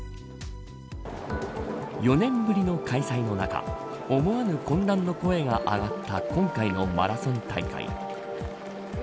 ４年ぶりの開催の中思わぬ混乱の声が上がった今回のマラソン大会。